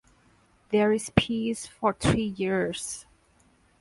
There is peace for three years.